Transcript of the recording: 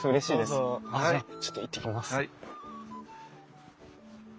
あっじゃあちょっと行ってきます。